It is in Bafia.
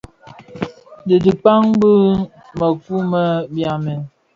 A dhikpaa, bi mëku më byamèn bi.